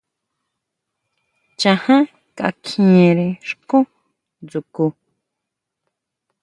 Chaján kakjiénre xkú dsjukʼu.